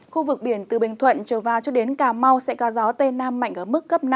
khu vực biển từ bình thuận trở vào cho đến cà mau sẽ có gió tây nam mạnh ở mức cấp năm